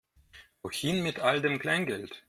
Wohin mit all dem Kleingeld?